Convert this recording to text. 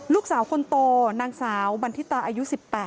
ลูกสาวคนโตนางสาวบันทิตาอายุ๑๘